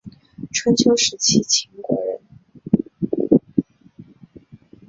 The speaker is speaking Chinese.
春秋时期秦国人。